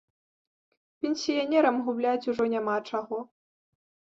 Пенсіянерам губляць ужо няма чаго.